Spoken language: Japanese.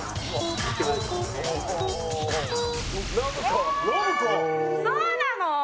そうなの？